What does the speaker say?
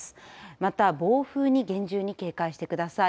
また暴風に厳重に警戒してください。